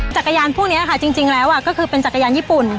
จักรยานพวกนี้ค่ะจริงแล้วก็คือเป็นจักรยานญี่ปุ่น